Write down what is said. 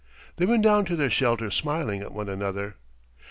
They went down to their shelter smiling at one another.